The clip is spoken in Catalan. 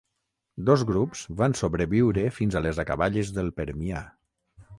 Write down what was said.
Dos grups van sobreviure fins a les acaballes del permià.